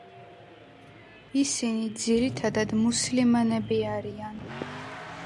ისინი ძირითადად მუსლიმანები არიან.